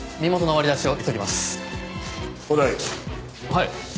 はい。